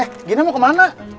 eh gina mau kemana